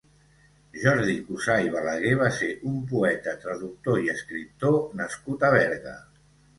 Jordi Cussà i Balaguer va ser un poeta, traductor i escriptor nascut a Berga.